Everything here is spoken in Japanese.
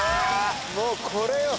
もうこれよ！